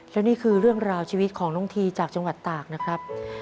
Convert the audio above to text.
และนี่คือเรื่องราวชีวิตของน้องทีจากจังหวัดตากนะครับ